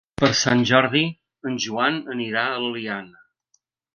Per Sant Jordi en Joan anirà a l'Eliana.